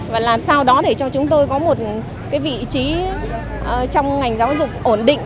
và làm sao đó để cho chúng tôi có một cái vị trí trong ngành giáo dục ổn định